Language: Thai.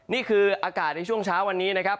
นี่คืออากาศในช่วงเช้าวันนี้นะครับ